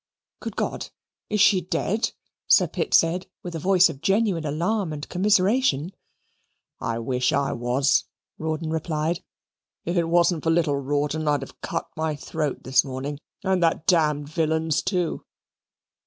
"Good God! is she dead?" Sir Pitt said with a voice of genuine alarm and commiseration. "I wish I was," Rawdon replied. "If it wasn't for little Rawdon I'd have cut my throat this morning and that damned villain's too."